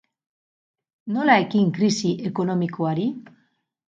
Nola ekin krisi ekonomikoari?